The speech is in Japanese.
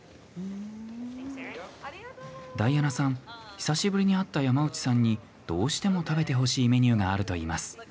久しぶりに会った山内さんにどうしても食べてほしいメニューがあるといいます。